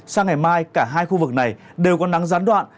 sang ngày mai cả hai khu vực này đều có nắng gián đoạn